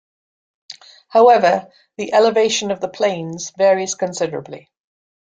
However, the elevation of the plains varies considerably.